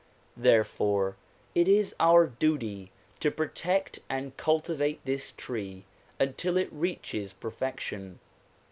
Therefore it is our duty to protect and cultivate this tree until it reaches perfection.